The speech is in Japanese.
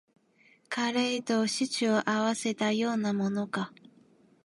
カレーとシチューを合わせたようなものか